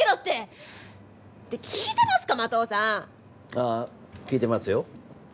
ああ聞いてますよ。